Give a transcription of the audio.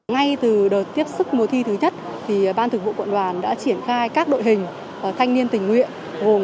ngay từ đợt tiếp sức mùa thi thứ nhất thì ban thực vụ quận đoàn đã triển khai các đội hình thanh niên tình nguyện